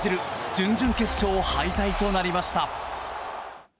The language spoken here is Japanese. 準々決勝敗退となりました。